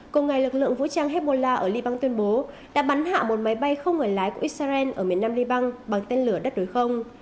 cùng ngày lực lượng vũ trang hezbollah ở liban tuyên bố đã bắn hạ một máy bay không người lái của israel ở miền nam liban bằng tên lửa đất đối không